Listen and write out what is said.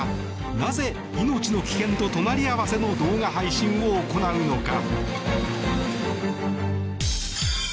なぜ、命の危険と隣り合わせの動画配信を行うのか。